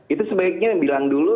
itu sebaiknya bilang dulu